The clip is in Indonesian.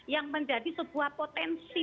yang menjadi sebuah potensi